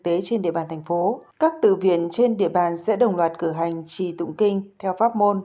tế trên địa bàn thành phố các từ viện trên địa bàn sẽ đồng loạt cử hành trì tụng kinh theo pháp môn